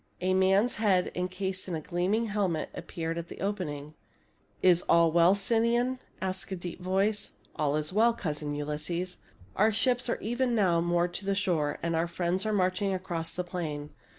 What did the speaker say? A man's head, encased in a gleaming helmet, appeared at the opening. " Is all well, Sinon ?" asked a deep voice. 6 E THE FALL OF TROY 1 55 " All is well, Cousin Ulysses. Our ships are even now moored to the shore, and our friends are marching across the plain.